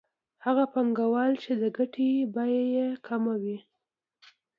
هغه پانګوال چې د ګټې بیه یې کمه وي